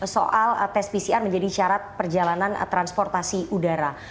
soal tes pcr menjadi syarat perjalanan transportasi udara